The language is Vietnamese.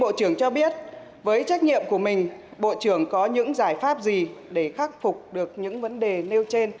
bộ trưởng trần hồng hà cho biết với trách nhiệm của mình bộ trưởng có những giải pháp gì để khắc phục được những vấn đề nêu trên